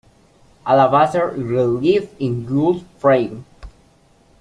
Alabaster relief in wood frame.